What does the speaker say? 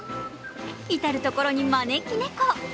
至る所に招き猫。